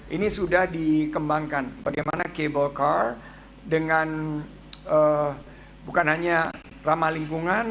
ini sudah dikembangkan bagaimana cable car dengan bukan hanya ramah lingkungan